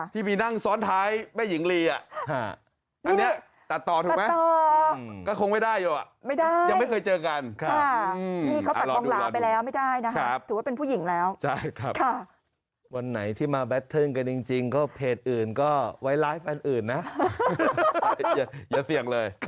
ที่พี่นั่งซ้อนท้ายแม่หญิงลี